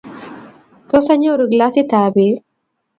Tos, anyoru glasitab beek?